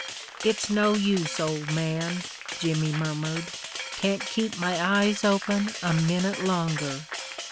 44 It's no use, old man," Jimmy murmured ;" can't keep my eyes open a minute longer."